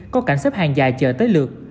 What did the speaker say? có cảnh xếp hàng dài chờ tới lượt